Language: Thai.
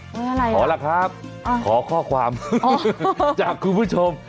เฮ้ยอะไรนะถอแล้วครับขอข้อความจากคู่ผู้ชม